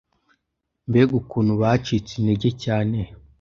Mbega ukuntu bacitse intege cyane!